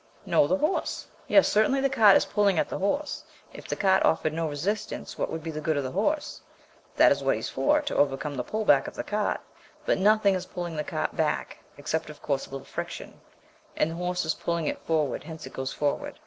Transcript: "No, the horse." Yes, certainly the cart is pulling at the horse; if the cart offered no resistance what would be the good of the horse? That is what he is for, to overcome the pull back of the cart; but nothing is pulling the cart back (except, of course, a little friction), and the horse is pulling it forward, hence it goes forward.